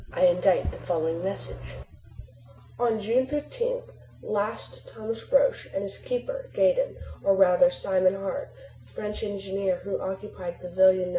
I indite the following message: "On June 15 last Thomas Roch and his keeper Gaydon, or rather Simon Hart, the French engineer who occupied Pavilion No.